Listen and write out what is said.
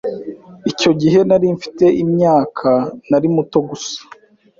icyo gihe nari mfite imyaka nari muto gusa